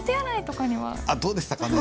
あっどうでしたかね？